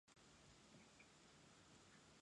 ああ無惨～極限責め～